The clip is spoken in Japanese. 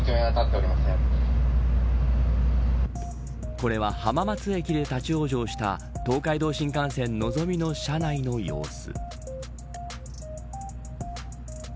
これは浜松駅で立ち往生した東海道新幹線のぞみの車内の様子。